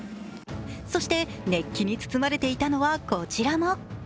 そして熱気に包まれていたのはこちらも。